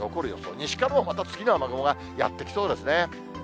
西からはまた、次の雨雲がやって来そうですね。